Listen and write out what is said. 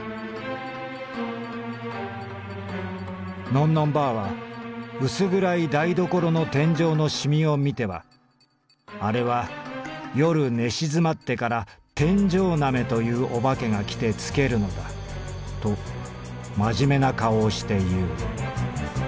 「のんのんばあはうす暗い台所の天井のしみを見てはあれは夜寝静まってから『天井なめ』というお化けが来てつけるのだとまじめな顔をしていう。